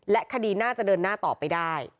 คดีน่าจะเดินหน้าต่อไปได้